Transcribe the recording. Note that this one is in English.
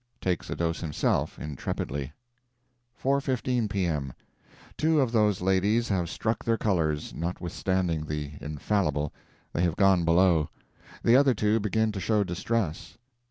Takes a dose himself, intrepidly. 4.15 P.M. Two of those ladies have struck their colors, notwithstanding the "infallible." They have gone below. The other two begin to show distress.